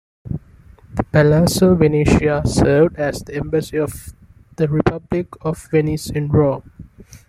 The Palazzo Venezia served as the embassy of the Republic of Venice in Rome.